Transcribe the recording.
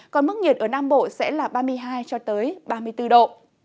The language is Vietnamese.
còn mức nhiệt ở nam bộ sẽ là ba mươi hai ba mươi bốn độ